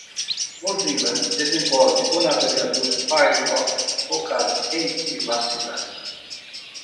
Mozilla desenvolve o navegador Firefox, focado em privacidade.